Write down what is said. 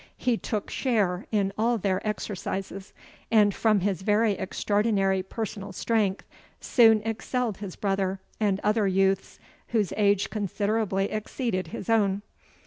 He took share in all their exercises; and, from his very extraordinary personal strength, soon excelled his brother and other youths, whose age considerably exceeded his own.